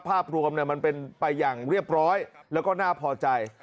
ภาพรวมมันเป็นไปอย่างเรียบร้อยแล้วก็น่าพอใจ